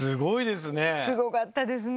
すごかったですね！